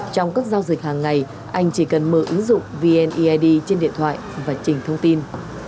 trong các giao dịch hàng ngày anh chỉ cần mở ứng dụng vneid trên điện thoại và chỉnh thông tin